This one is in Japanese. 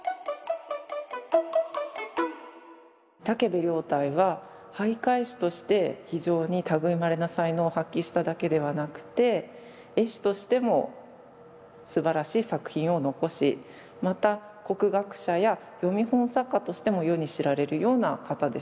建部凌岱は俳諧師として非常に類いまれな才能を発揮しただけではなくて絵師としてもすばらしい作品を残しまた国学者や読み本作家としても世に知られるような方でした。